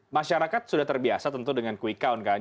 masyarakat sudah terbiasa tentu dengan quick count kan